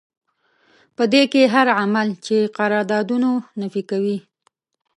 په دې کې هر عمل چې د قراردادونو نفي کوي.